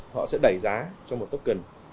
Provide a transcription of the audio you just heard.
họ sẽ đẩy giá cho một tốc cần